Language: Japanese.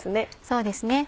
そうですね。